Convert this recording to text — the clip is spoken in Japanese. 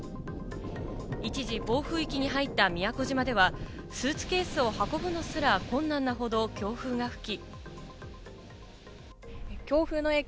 一時、暴風域に入った宮古島では、スーツケースを運ぶのすら困難なほど強風が吹き。